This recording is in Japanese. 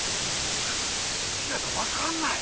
陽分かんない！